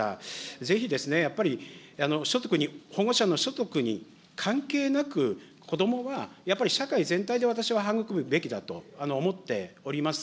ぜひ、やっぱり所得に、保護者の所得に関係なく、子どもは、やっぱり社会全体で、私は育むべきだと思っております。